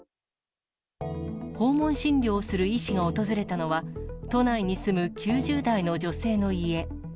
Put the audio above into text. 訪問診療する医師が訪れたのは、都内に住む９０代の女性の家。